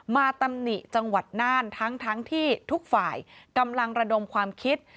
ตำหนิจังหวัดน่านทั้งที่ทุกฝ่ายกำลังระดมความคิด